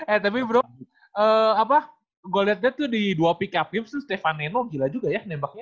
eh tapi bro gue liat dia tuh di dua pick up game tuh stefan nenno gila juga ya nembaknya